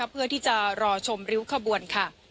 เพื่อที่จะรอชมริ้วขบวนค่ะ